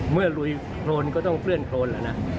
เมื่อลุยโครนก็ต้องเลื่อนโครนละนะ